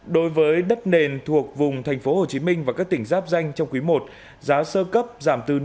đối với đất nền thuộc vùng tp hcm và các tỉnh giáp danh trong quý i giá sơ cấp giảm từ năm mươi